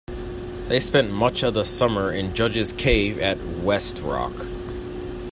They spent much of the summer in Judges' Cave at West Rock.